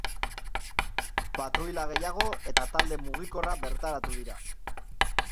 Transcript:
Patruila gehiago eta talde mugikorra bertaratu dira.